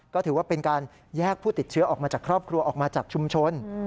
ก็ถือว่าเป็นการแยกผู้ติดเชื้อออกมาจากครอบครัวออกมาจากชุมชน